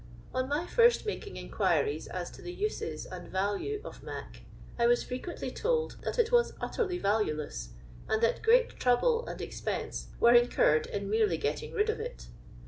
On my first making inquines as to the uses and value of " mac," I was frequently told that it was utterly valueless, and that great trouble and ex pense were incurred in merely getting rid of it.